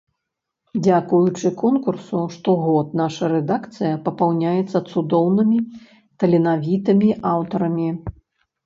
Дзякуючы конкурсу штогод наша рэдакцыя папаўняецца цудоўнымі таленавітымі аўтарамі.